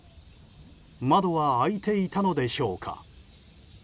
窓は開いていたのでしょうか。